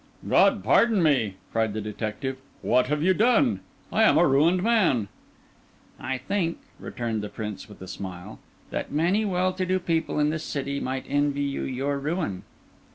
"God pardon me!" cried the detective. "What have you done? I am a ruined man." "I think," returned the Prince with a smile, "that many well to do people in this city might envy you your ruin."